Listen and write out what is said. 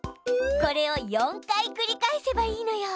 これを４回繰り返せばいいのよ。